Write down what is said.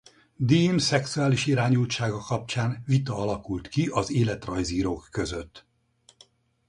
Dean szexuális irányultsága kapcsán vita alakult ki az életrajzírók között.